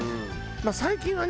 最近はね